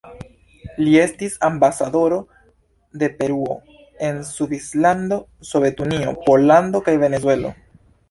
Li estis ambasadoro de Peruo en Svislando, Sovetunio, Pollando kaj Venezuelo.